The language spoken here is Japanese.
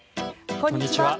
こんにちは。